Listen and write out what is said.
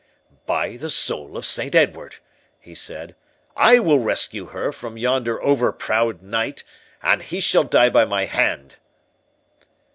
"By the soul of Saint Edward," he said, "I will rescue her from yonder over proud knight, and he shall die by my hand!"